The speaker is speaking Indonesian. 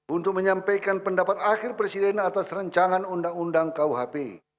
untuk menyampaikan pendapat akhir presiden atas rencangan undang undang kuhp